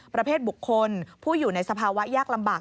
ประเภทบุคคลผู้อยู่ในสภาวะยากลำบาก